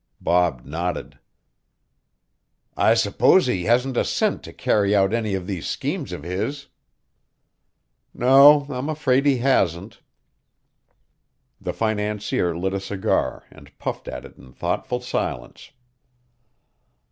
Bob nodded. "I suppose he hasn't a cent to carry out any of these schemes of his." "No, I am afraid he hasn't." The financier lit a cigar and puffed at it in thoughtful silence.